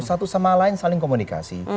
satu sama lain saling komunikasi